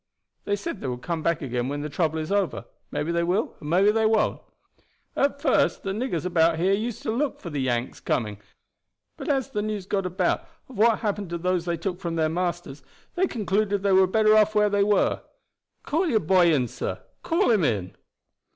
They said they would come back again when the trouble is over; maybe they will and maybe they won't. At first the niggers about here used to look for the Yanks coming, but as the news got about of what happened to those they took from their masters, they concluded they were better off where they were. Call your boy in, sir; call him in."